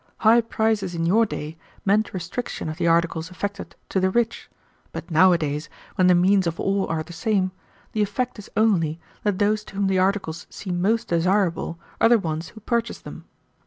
High prices in your day meant restriction of the articles affected to the rich, but nowadays, when the means of all are the same, the effect is only that those to whom the articles seem most desirable are the ones who purchase them.